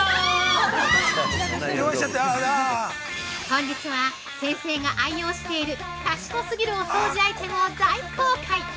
◆本日は先生が愛用している賢すぎるお掃除アイテムを大公開。